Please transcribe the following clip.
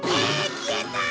消えたー！？